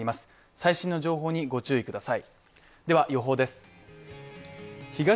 最新の情報にご注意ください